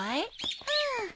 うん。